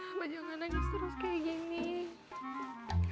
abah jangan lagi terus kayak gini